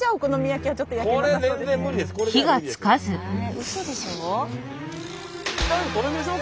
うそでしょ？